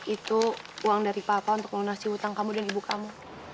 itu uang dari papa untuk melunasi utang kamu dan ibu kamu